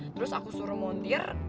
terus aku suruh montir